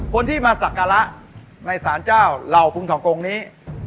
คนที่มาสักกะละในสารเจ้าเหล่าภูมิธรรมกรงนี้